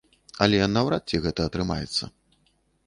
Але наўрад ці гэта атрымаецца.